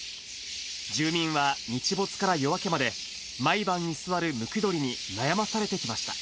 住民は日没から夜明けまで、毎晩居座るムクドリに悩まされてきました。